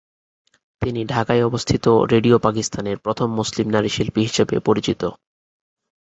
তিনি ঢাকায় অবস্থিত রেডিও পাকিস্তানের প্রথম মুসলিম নারী শিল্পী হিসেবে পরিচিত।